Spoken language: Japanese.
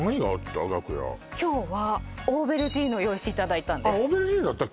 今日はオーベルジーヌを用意していただいたんですオーベルジーヌだった？